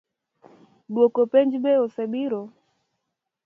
Duoko penj be osebiro?